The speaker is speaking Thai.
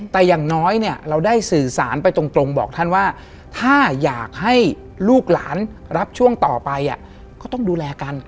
แต่อย่างน้อยเนี่ยเราได้สื่อสารไปตรงบอกท่านว่าถ้าอยากให้ลูกหลานรับช่วงต่อไปก็ต้องดูแลกัน